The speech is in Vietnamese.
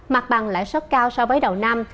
mặt bằng lãi suất cao so với đầu năm